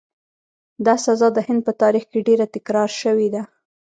دا سزا د هند په تاریخ کې ډېره تکرار شوې ده.